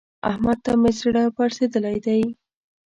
احمد ته مې زړه پړسېدلی دی.